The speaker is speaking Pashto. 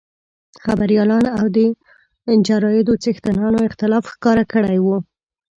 خبریالانو او د جرایدو څښتنانو اختلاف ښکاره کړی وو.